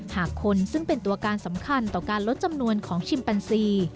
หากคนซึ่งเป็นตัวการสำคัญต่อการลดจำนวนของชิมปันซี